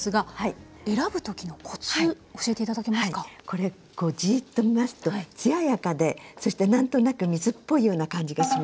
これこうじっと見ますと艶やかでそして何となく水っぽいような感じがしますでしょ。